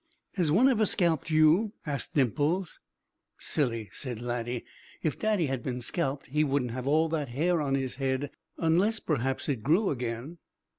"Has one ever scalped you?" asked Dimples. "Silly!" said Laddie. "If Daddy had been scalped he wouldn't have all that hair on his head unless perhaps it grew again!"